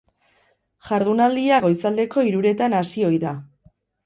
Jardunaldia goizaldeko hiruretan hasi ohi da.